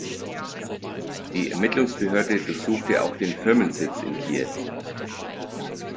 Die Ermittlungsbehörde durchsuchte auch den Firmensitz in Kiew.